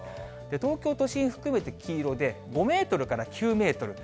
東京都心含めて黄色で、５メートルから９メートル。